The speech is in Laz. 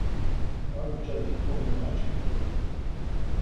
Ar mç̌aci komemaçkinu.